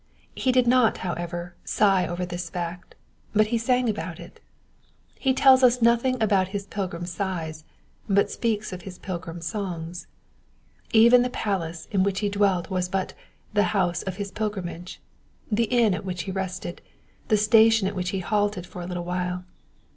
He did not, however, sigh over this fact, but he sang about it. He tells us nothing about his Eilgrim sighs, but speaks of his pilgrim songs. Even the palace in which e dwelt was but t?ie house of .his pilgrimagSy^^ the inn at which he rested, the station at which he halted for a little while.